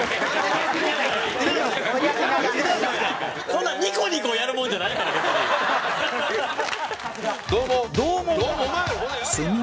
こんなニコニコやるもんじゃないから別に。